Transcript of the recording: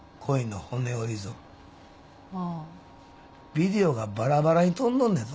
ビデオがバラバラに飛んどんのやぞ。